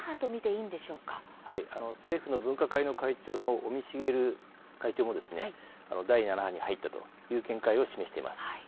はい、政府の分科会の会長の尾身茂会長も第７波に入ったという見解を示しています。